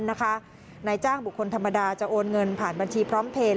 นายจ้างบุคคลธรรมดาจะโอนเงินผ่านบัญชีพร้อมเพลย